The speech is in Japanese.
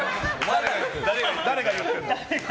誰が言ってるんだ。